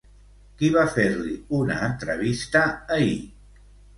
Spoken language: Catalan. Qui va fer-li una entrevista ahir?